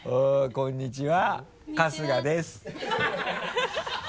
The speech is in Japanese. こんにちは。